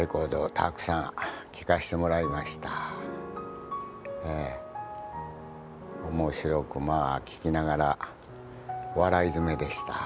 面白くまあ聞きながら笑いづめでした。